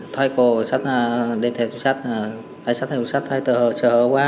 thoái cô sách đem thêm sách thay sách thêm sách thay tờ sở hữu quá